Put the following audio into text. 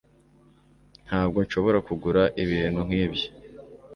ntabwo nshobora kugura ibintu nkibyo